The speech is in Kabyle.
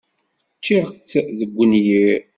Ččiɣ-tt deg unyir.